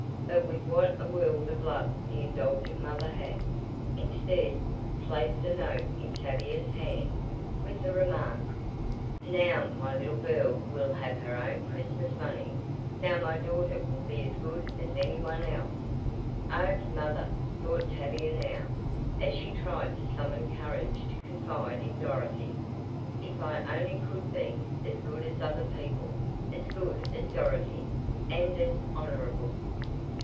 But with what a world of love the indulgent mother had, instead, placed the note in Tavia's hand, with the remark: "Now my little girl will have her own Christmas money. Now my daughter will be as good as any one else." "Oh, mother!" thought Tavia now, as she tried to summon courage to confide in Dorothy. "If I only could be 'as good as other people,' as good as Dorothy, and as honorable!"